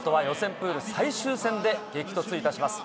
プール最終戦で激突いたします。